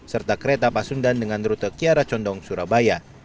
serta kereta pasundan dengan rute kiara condong surabaya